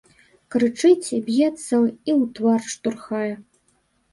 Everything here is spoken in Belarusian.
Крычыць, і б'ецца, і ў твар штурхае.